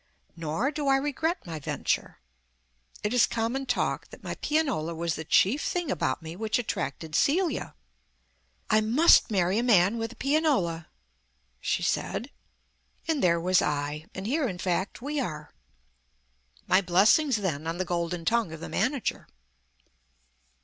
Nor do I regret my venture. It is common talk that my pianola was the chief thing about me which attracted Celia. "I must marry a man with a pianola," she said ... and there was I ... and here, in fact, we are. My blessings, then, on the golden tongue of the manager.